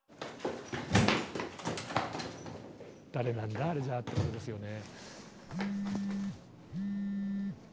誰なんだあれじゃあってことですよね。